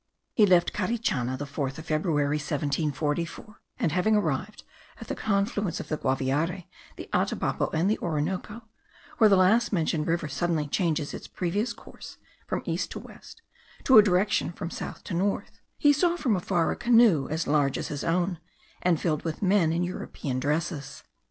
He left Carichana the 4th of February, 1744; and having arrived at the confluence of the Guaviare, the Atabapo, and the Orinoco, where the last mentioned river suddenly changes its previous course from east to west, to a direction from south to north, he saw from afar a canoe as large as his own, and filled with men in European dresses.